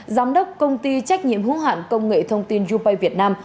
giám đốc công ty trách nhiệm hữu hạn công nghệ thông tin youbay việt nam